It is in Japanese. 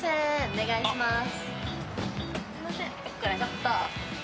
お願いします。